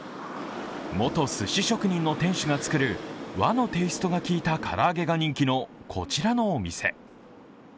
元すし職人の店主が作る和のテイストがきいたから揚げが人気のこちらのお店。